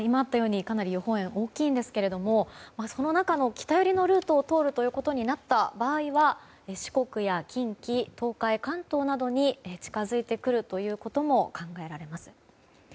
かなり予報円は大きいんですけどその中の北寄りのルートを通ることになった場合は四国や近畿、東海、関東などに近づいてくるということも考えられます。